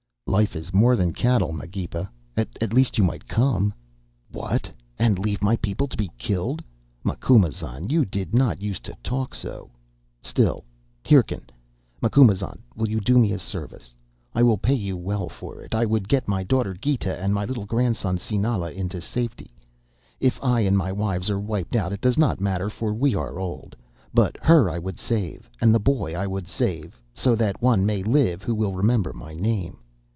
"'Life is more than cattle, Magepa. At least you might come.' "'What! And leave my people to be killed? Macumazahn, you did not use to talk so. Still, hearken. Macumazahn, will you do me a service? I will pay you well for it. I would get my daughter Gita and my little grandson Sinala into safety. If I and my wives are wiped out it does not matter, for we are old. But her I would save, and the boy I would save, so that one may live who will remember my name.